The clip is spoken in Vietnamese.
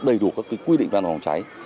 đầy đủ các quy định ban phòng cháy